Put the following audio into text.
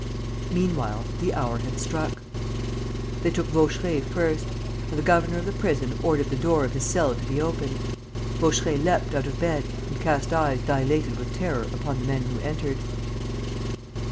Meanwhile, the hour had struck. They took Vaucheray first; and the governor of the prison ordered the door of his cell to be opened. Vaucheray leapt out of bed and cast eyes dilated with terror upon the men who entered.